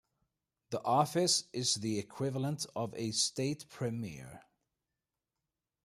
The office is the equivalent of a State Premier.